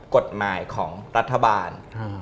กฎหมายของรัฐบาล